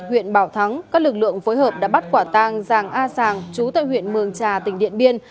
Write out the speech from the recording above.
huyện bảo thắng các lực lượng phối hợp đã bắt quả tang giàng a giàng chú tại huyện mường trà tỉnh điện biên